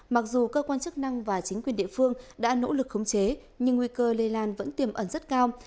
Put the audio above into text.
mặc dù cơ quan chức năng và chính quyền địa phương đã nỗ lực khống chế nhưng nguy cơ lây lan vẫn tiềm ẩn rất cao